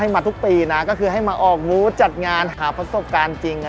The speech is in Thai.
มูลจัดงานหาประสบการณ์จริง